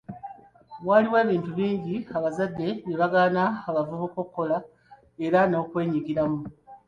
Waliwo ebintu bingi abazadde bye bagaana abavubuka okukola era nokwenyigiramu.